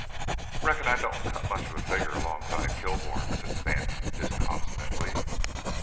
"Reckon I don't cut much of a figure alongside Kilbourne," said Stanton, disconsolately.